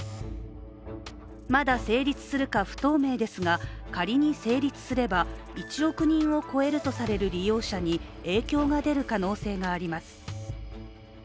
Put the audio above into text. まだ成立するか不透明ですが、仮に成立すれば１億人を超えるとされる利用者に影響が出る可能性があります。